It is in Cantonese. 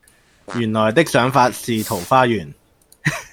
原來的想法是桃花源